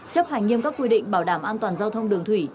chấp hành nghiêm các quy định bảo đảm an toàn giao thông đường thủy